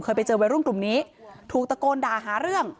ไปเจอวัยรุ่นกลุ่มนี้ถูกตะโกนด่าหาเรื่อง